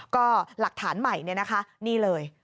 ก็หลักฐานใหม่เนี่ยนะคะนี่เลย